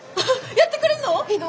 やってくれるの？